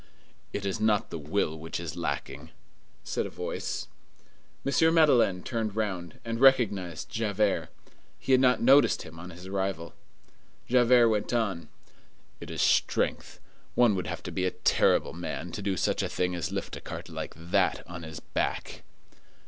"It is not the will which is lacking," said a voice. M. Madeleine turned round, and recognized Javert. He had not noticed him on his arrival. Javert went on:— "It is strength. One would have to be a terrible man to do such a thing as lift a cart like that on his back."